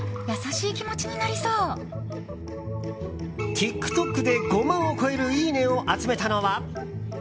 ＴｉｋＴｏｋで、５万を超えるいいねを集めたのは。